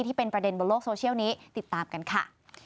ที่เป็นประเด็นบนโลกโซเชียลนี้ติดตามกันค่ะ